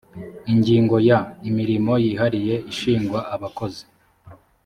ingingo ya imirimo yihariye ishingwa abakozi